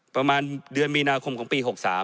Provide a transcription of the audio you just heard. ประมาณเดือนมีนาคมของปี๖๓